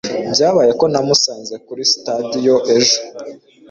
Byabaye ko namusanze kuri sitasiyo ejo.